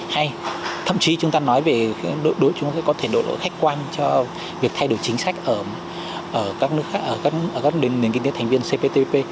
hay thậm chí chúng ta nói về đối với chúng ta có thể đổi khách quan cho việc thay đổi chính sách ở các nền kinh tế thành viên cptpp